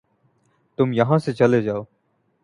تم یہاں سے چلے جاؤ